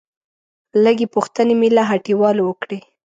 لږې پوښتنې مې له هټيوالو وکړې.